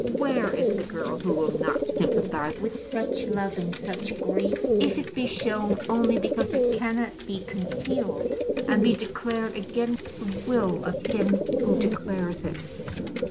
Where is the girl who will not sympathize with such love and such grief, if it be shown only because it cannot be concealed, and be declared against the will of him who declares it?